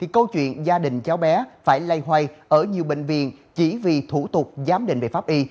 câu chuyện gia đình cháu bé phải lay hoay ở nhiều bệnh viện chỉ vì thủ tục giám định về pháp y